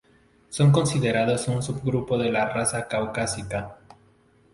Son considerados un subgrupo de la raza caucásica.